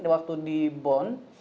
waktu di bond